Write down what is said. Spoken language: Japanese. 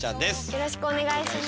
よろしくお願いします。